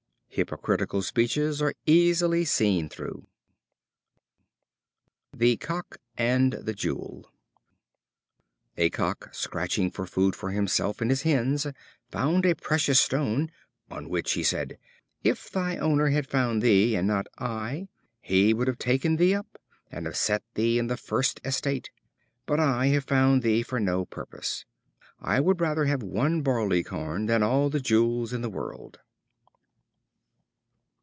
Hypocritical speeches are easily seen through. The Cock and the Jewel. A Cock, scratching for food for himself and his hens, found a precious stone; on which he said: "If thy owner had found thee, and not I, he would have taken thee up, and have set thee in thy first estate; but I have found thee for no purpose. I would rather have one barleycorn than all the jewels in the world."